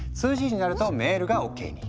２ＧになるとメールがＯＫに。